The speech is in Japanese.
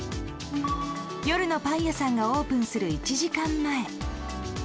夜のパン屋さんがオープンする１時間前。